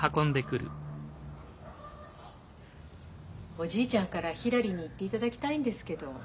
おじいちゃんからひらりに言っていただきたいんですけど。